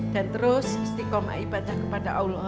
dan terus istiqomah ibadah kepada allah swt